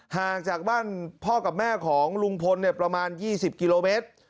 ห่างจากบ้านพ่อกับแม่ของลุงพลประมาณ๒๐กิโลเมตร